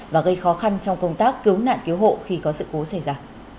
và gây khó khăn trong công tác cứu nạn cứu hộ khi có sự cố xảy ra